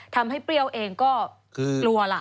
ทำให้เปรี้ยวเองก็กลัวล่ะ